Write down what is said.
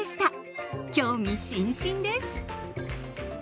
興味津々です！